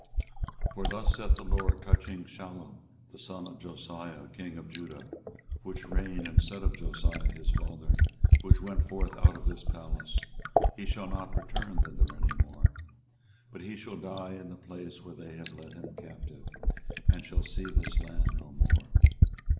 24:022:011 For thus saith the LORD touching Shallum the son of Josiah king of Judah, which reigned instead of Josiah his father, which went forth out of this place; He shall not return thither any more: 24:022:012 But he shall die in the place whither they have led him captive, and shall see this land no more.